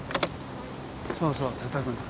そうそうたたく。